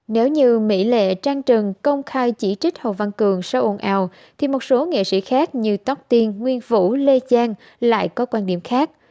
nếu như mỹ lệ trang trần công khai chỉ trích hồ văn cường sau ồn ào thì một số nghệ sĩ khác như tóc tiên nguyên vũ lê giang lại có quan điểm khác